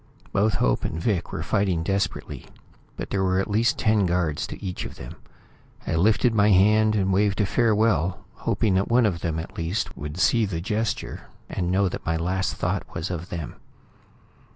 Both Hope and Vic were fighting desperately, but there were at least ten guards to each of them. I lifted my hand and waved a farewell, hoping that one of them at least would see the gesture and know that my last thought was of them.